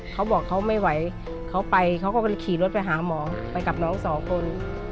เขาบอกเขาไม่ไหวเขาไปเขาก็เลยขี่รถไปหาหมอไปกับน้องสองคน